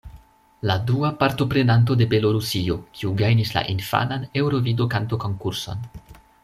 La dua partoprenanto de Belorusio, kiu gajnis la infanan Eŭrovido-Kantokonkurson.